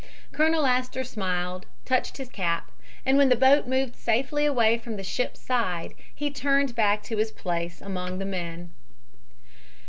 Colonel Astor smiled, touched his cap, and when the boat moved safely away from the ship's side he turned back to his place among the men."